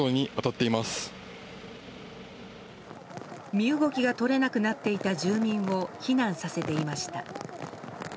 身動きが取れなくなっていた住民を避難させていました。